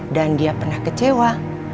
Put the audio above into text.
dan dia pernah kecewa